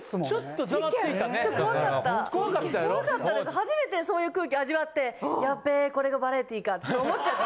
初めてそういう空気味わってやっべこれがバラエティーかって思っちゃった。